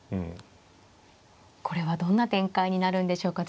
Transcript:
これはどんな展開になるんでしょうか。